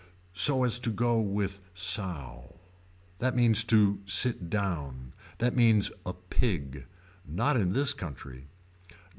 So as to go with sow. That means to sit down. That means a pig. Not in this country.